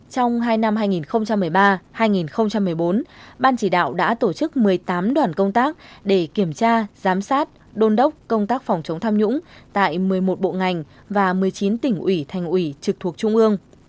trong hai năm hai nghìn một mươi ba hai nghìn một mươi bốn ban chỉ đạo đã tổ chức một mươi tám đoàn công tác để kiểm tra giám sát đôn đốc công tác phòng chống tham nhũng tại một mươi một bộ ngành và một mươi chín tỉnh ủy thành ủy trực thuộc trung ương